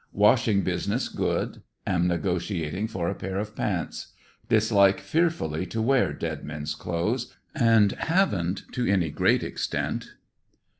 Washing business ^ood. Am negotiating for a pair of pants. Dislike fearfully to wear dead men's clothes, and haven't to any great extent.